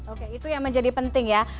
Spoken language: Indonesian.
oke itu yang menjadi penting ya